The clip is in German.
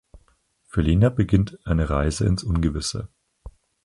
Für Lena beginnt eine Reise ins Ungewisse.